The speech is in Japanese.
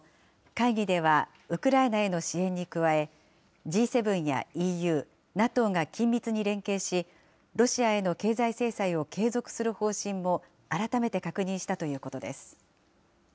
会議では、ウクライナへの支援に加え、Ｇ７やＥＵ、ＮＡＴＯが緊密に連携し、ロシアへの経済制裁を継続する方針も改めて確認したということです。